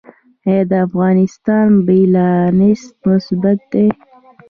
آیا د افغانستان بیلانس مثبت دی؟